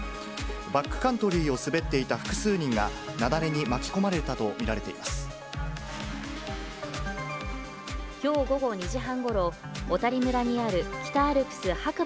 バックカントリーを滑っていた複数人が、雪崩に巻き込まれたと見きょう午後２時半ごろ、小谷村にある北アルプス白馬